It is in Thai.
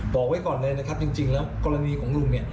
บอกไว้ก่อนเลยนะครับจริงแล้วกรณีของลุงเนี่ย